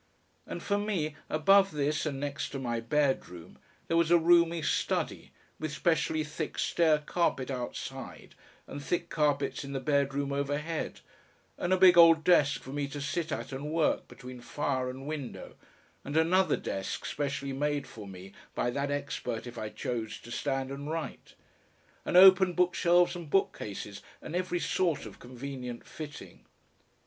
And for me, above this and next to my bedroom, there was a roomy study, with specially thick stair carpet outside and thick carpets in the bedroom overhead and a big old desk for me to sit at and work between fire and window, and another desk specially made for me by that expert if I chose to stand and write, and open bookshelves and bookcases and every sort of convenient fitting.